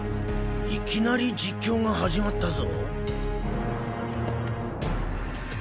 いきなり実況が始まったぞ。